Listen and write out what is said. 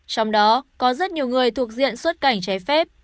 trong đó có rất nhiều người thuộc diện xuất cảnh trái phép